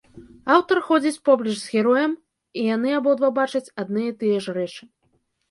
Аўтар ходзіць поплеч з героем, і яны абодва бачаць адны і тыя ж рэчы.